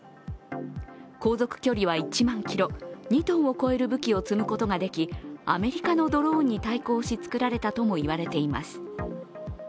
航続距離は１万キロ、２ｔを超える武器を積むことができアメリカのドローンに対抗し、作られたとも言われています。